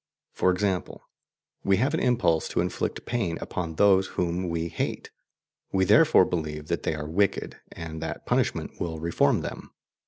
For example, we have an impulse to inflict pain upon those whom we hate; we therefore believe that they are wicked, and that punishment will reform them.